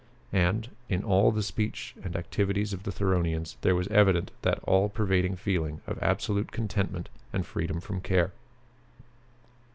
And, in all the speech and activities of the Theronians, there was evident that all pervading feeling of absolute contentment and freedom from care.